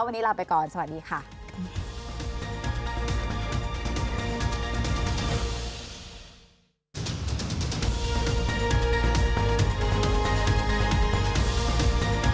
วันนี้ลาไปก่อนสวัสดีค่ะ